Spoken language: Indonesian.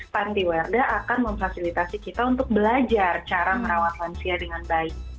pantiwerda akan memfasilitasi kita untuk belajar cara merawat lansia dengan baik